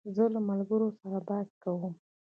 زه له ملګرو سره بحث کوم.